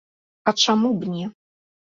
А чаму б не?